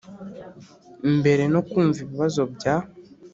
Mbere no kumva ibibazo bya